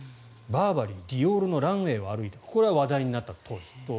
バーバリーやディオールのランウェーを歩いたこれは話題になった、当時。